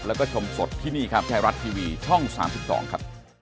แล้วก็ชมสดที่นี่ครับไทยรัฐทีวีช่อง๓๒ครับ